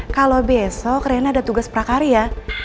kalau besok rena ada tugas prakarya